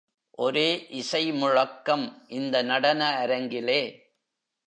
ஒரே இசை முழக்கம் இந்த நடன அரங்கிலே.